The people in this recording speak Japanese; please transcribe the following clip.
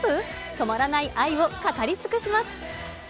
止まらない愛を語り尽くします。